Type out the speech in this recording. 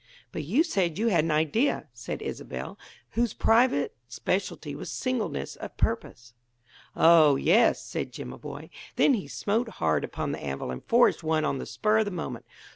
"But you said you had an idea," said Isobel, whose private specialty was singleness of purpose. "Oh yes," said Jimaboy. Then he smote hard upon the anvil and forged one on the spur of the moment.